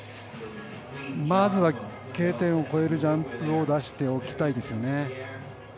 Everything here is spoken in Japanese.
まずはＫ点を越えるジャンプを出しておきたいですよね。